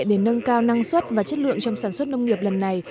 để nâng cao năng suất và chất lượng trong sản xuất nông nghiệp lần này